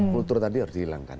kultur tadi harus dihilangkan